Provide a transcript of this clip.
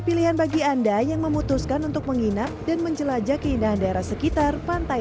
pilihan bagi anda yang memutuskan untuk menginap dan menjelajah keindahan daerah sekitar pantai